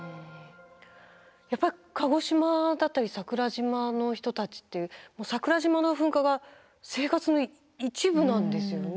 やっぱり鹿児島だったり桜島の人たちって桜島の噴火が生活の一部なんですよね。